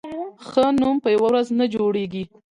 ښه نوم په یوه ورځ نه جوړېږي.